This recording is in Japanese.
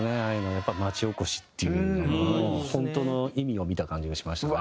やっぱ町おこしっていうものの本当の意味を見た感じがしましたね。